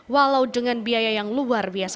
walau dengan biaya yang luar biasa